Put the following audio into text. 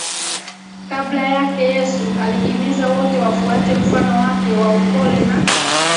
Kabla yake Yesu alihimiza wote wafuate mfano wake wa upole na